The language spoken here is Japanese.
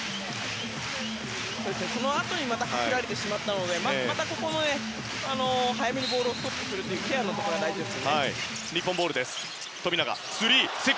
このあとにはじかれてしまったので早めにボールをストップするケアのところが大事です。